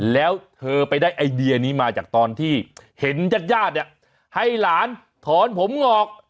แล้วเธอไปได้ไอเดียนี้มาจากตอนที่เห็นจัดให้หลานถอนผมงอก